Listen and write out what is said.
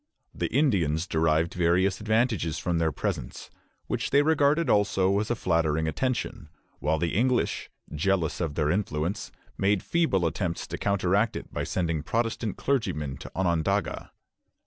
The Indians derived various advantages from their presence, which they regarded also as a flattering attention; while the English, jealous of their influence, made feeble attempts to counteract it by sending Protestant clergymen to Onondaga.